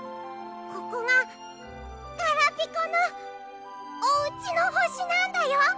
ここがガラピコのおうちの星なんだよ！